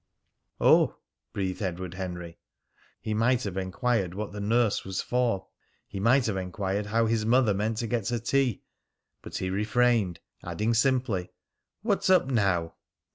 "Oh!" breathed Edward Henry. He might have enquired what the nurse was for; he might have enquired how his mother meant to get her tea; but he refrained, adding simply, "What's up now?"